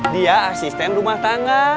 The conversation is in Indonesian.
dia asisten rumah tangga